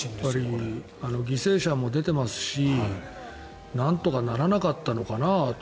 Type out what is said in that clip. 犠牲者も出てますしなんとかならなかったのかなと。